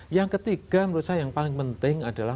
yang ketiga menurut saya yang paling penting adalah